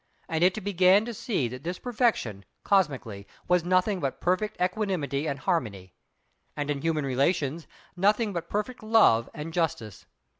And it began to see that this Perfection, cosmically, was nothing but perfect Equanimity and Harmony; and in human relations, nothing but perfect Love and Justice.